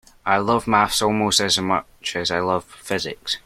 I love maths almost as much as I love physics